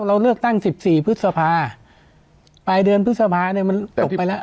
เราเลือกตั้งสิบสี่พฤษภาปลายเดือนพฤษภาเนี่ยมันตกไปแล้ว